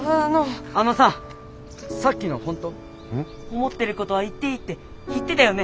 思ってることは言っていいって言ってたよね。